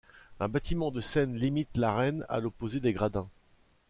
Un bâtiment de scène limite l'arène à l'opposé des gradins.